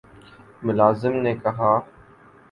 ملازم نے کہا